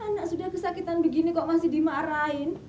anak sudah kesakitan begini kok masih dimarahin